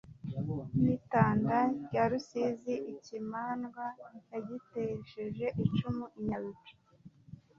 N'i Tanda rya Rusizi.Ikimandwa yagitesheje icumu i Nyabicu